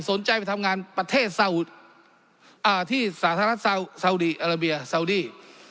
สนใจไปทำงานประเทศที่สหรัฐซาวดีอาราเบียซาวดี้